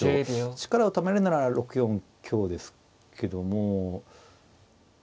力をためるなら６四香ですけども。